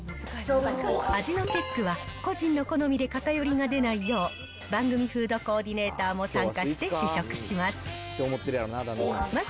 味のチェックは、個人の好みで偏りが出ないよう、番組フードコーディネーターも参加して試食します。